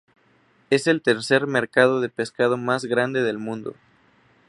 Es el tercer mercado de pescado más grande del mundo.